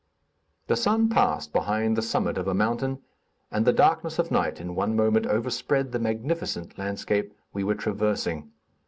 The sun passed behind the summit of a mountain, and the darkness of night in one moment overspread the magnificent landscape we were traversing.